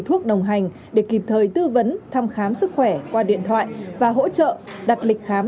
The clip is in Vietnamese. thuốc đồng hành để kịp thời tư vấn thăm khám sức khỏe qua điện thoại và hỗ trợ đặt lịch khám